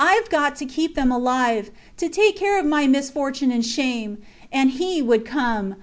. Ive got to keep them alive to take care of my misfortune and shame. And he would come.